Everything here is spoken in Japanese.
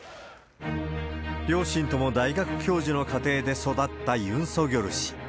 両親とも大学教授の家庭で育ったユン・ソギョル氏。